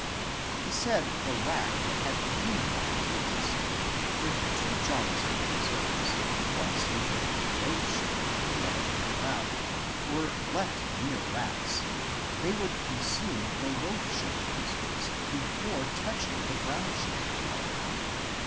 He said the rat had human like tastes ; if two jars of preserves — one sweetened with loaf sugar, the other with brown — were left near rats, they would consume the loaf sugar preserves before touching the brown sugar jar.